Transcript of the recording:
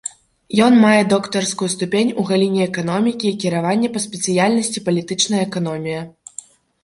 Ён мае доктарскую ступень у галіне эканомікі і кіравання па спецыяльнасці палітычная эканомія.